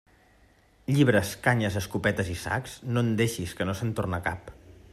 Llibres, canyes, escopetes i sacs, no en deixis, que no se'n torna cap.